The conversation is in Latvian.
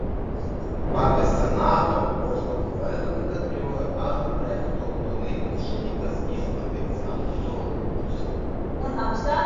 Pāvesta nāve pusgadu vēlāk atbrīvoja Albrehtu no nepieciešamības izpildīt savus solījumus.